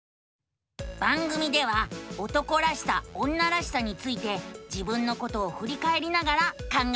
番組では「男らしさ女らしさ」について自分のことをふりかえりながら考えているのさ。